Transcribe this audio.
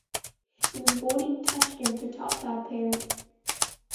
He was born in Tashkent to Tatar parents.